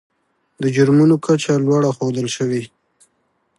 د جرمونو کچه لوړه ښودل شوې.